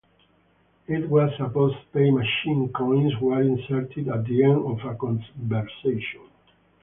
It was a "post-pay" machine; coins were inserted at the end of a conversation.